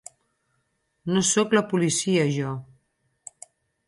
No soc la policia, jo.